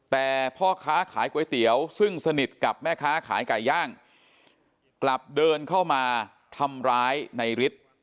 แต่พ่อค้าขายก๋วยเตี๋ยวซึ่งสนิทกับแม่ค้าขายไก่ย่างกลับเดินเข้ามาทำร้ายในฤทธิ์